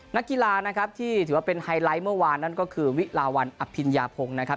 นักกีฬาที่ถือว่าเป็นไฮไลท์เมื่อวานนั่นก็คือวิราวรรณอภิญาพงศ์